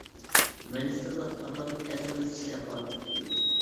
مىنىستىرلار پارلامېنت ئەزالىرى ئىچىدىن بارلىققا كېلىدۇ.